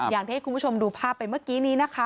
อย่างที่ให้คุณผู้ชมดูภาพไปเมื่อกี้นี้นะคะ